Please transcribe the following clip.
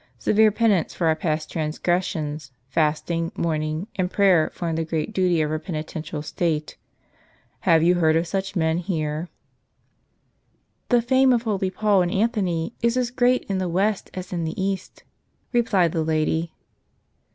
Severe penance for our past transgressions, fasting, mourning, and prayer form the great duty of our penitential state. Have you heard of such men here?" " The fame of holy Paul and Anthony is as great in the West as in the East," replied the lady.